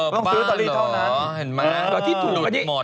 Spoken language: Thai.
ต้องซื้อตะลี่เท่านั้น